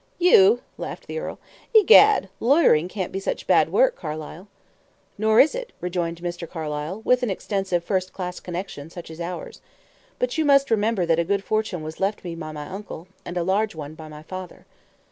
"You!" laughed the earl. "Egad! Lawyering can't be such bad work, Carlyle." "Nor is it," rejoined Mr. Carlyle, "with an extensive, first class connection, such as ours. But you must remember that a good fortune was left me by my uncle, and a large one by my father."